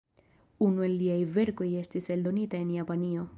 Unu el liaj verkoj estis eldonita en Japanio.